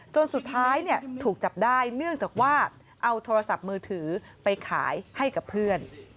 จนสุดท้ายถูกจับได้เนื่องจากว่าเอาโทรศัพท์มือถือไปขายให้กับเพื่อน